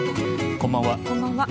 こんばんは。